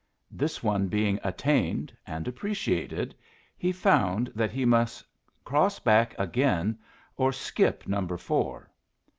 This one being attained and appreciated, he found that he must cross back again or skip number four.